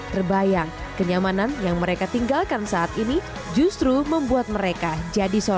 terbayang kenyamanan yang mereka tinggalkan saat ini justru membuat mereka jadi sorotan